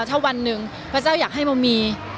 ถ้าวันหนึ่งพระเจ้าอยากให้โมมี